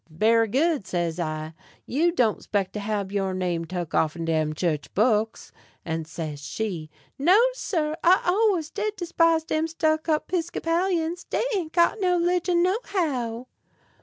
"Berry good," says I. "You don't 'spect to hab your name tuck offen dem chu'ch books?" And says she: "No, sar; I allus did despise dem stuck up 'Pisclopians; dey ain't got no 'ligion nohow."